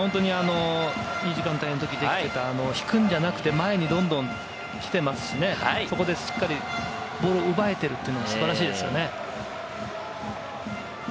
時間帯の時できていた、引くんじゃなくて前にどんどん来ていますしね、そこで、しっかりボールを奪えているというのは素晴らしいですね。